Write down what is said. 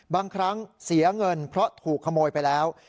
บางครั้งเสียเงินเพราะถูกขโมยไปแล้ว